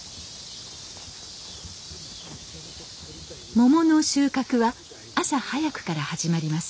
モモの収穫は朝早くから始まります。